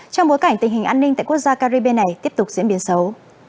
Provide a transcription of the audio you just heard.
trong bối cảnh tình hình an ninh tại quốc gia caribe này tiếp tục diễn biến xấu